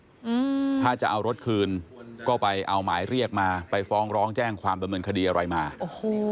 อืมถ้าจะเอารถคืนก็ไปเอาหมายเรียกมาไปฟ้องร้องแจ้งความดำเนินคดีอะไรมาโอ้โห